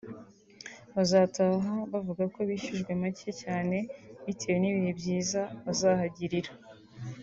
bazataha bavuga ko bishyujwe macye cyane bitewe n’ibihe byiza bazahagirira